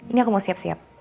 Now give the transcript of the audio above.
ini aku mau siap siap